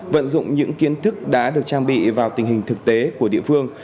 vận dụng những kiến thức đã được trang bị vào tình hình thực tế của địa phương